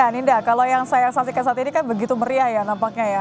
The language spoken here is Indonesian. ninda kalau yang saya saksikan saat ini kan begitu meriah ya nampaknya ya